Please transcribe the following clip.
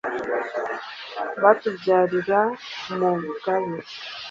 Batubyarira Umugabe